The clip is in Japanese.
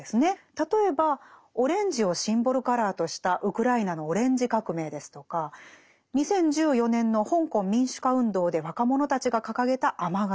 例えばオレンジをシンボルカラーとしたウクライナのオレンジ革命ですとか２０１４年の香港民主化運動で若者たちが掲げた雨傘。